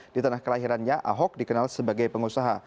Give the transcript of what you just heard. di tanah kelahirannya ahok dikenal sebagai pengusaha